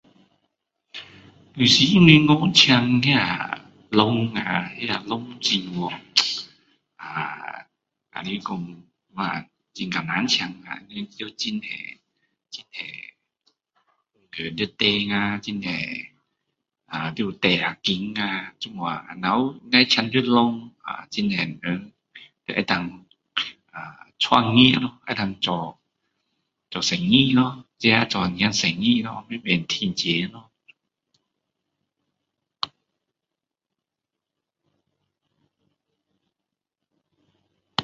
有时银行若请那loan啊loan假如说很难请啊要很多很多要填啊很多啊要抵押金啊这样若会请到loan很多人就能够创业咯能够做生意咯自己做一点生意咯慢慢赚钱咯